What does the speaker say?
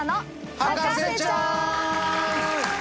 『博士ちゃん』！